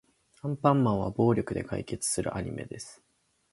アンパンマンは暴力で解決するアニメです。